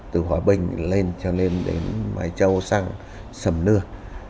từ hòa bình lên trở lên đến mai châu sang sầm nưa